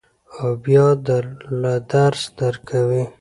او بیا در له درس درکوي.